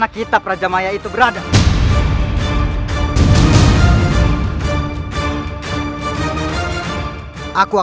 dan menjatuh weeks